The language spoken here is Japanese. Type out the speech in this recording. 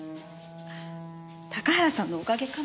高原さんのおかげかも。